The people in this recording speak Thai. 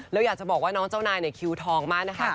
แล้วอยากจะบอกว่าน้องเจ้านายเนี่ยคิวทองมากนะคะ